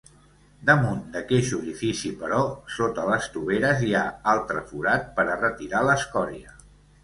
Damunt d'aqueix orifici, però sota les toveres, hi ha altre forat per a retirar l'escòria.